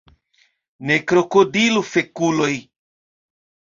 Ne krokodilu fekuloj!